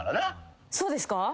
そうですか？